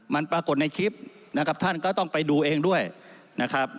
มันปรากฏในคลิปนะครับท่านก็ต้องไปดูเองด้วยนะครับ